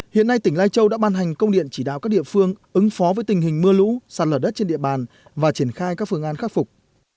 hiện nay tỉnh lai châu đã ban hành công điện chỉ đạo các địa phương ứng phó với tình hình mưa lũ sạt lở đất trên địa bàn và triển khai các phương án khắc phục